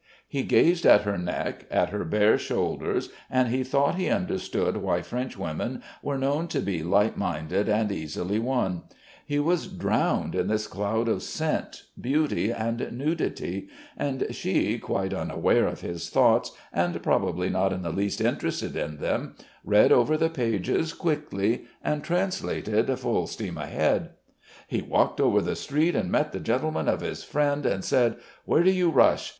He gazed at her neck, at her bare shoulders and he thought he understood why Frenchwomen were known to be light minded and easily won; he was drowned in this cloud of scent, beauty, and nudity, and she, quite unaware of his thoughts and probably not in the least interested in them, read over the pages quickly and translated full steam ahead: "He walked over the street and met the gentleman of his friend and said: where do you rush?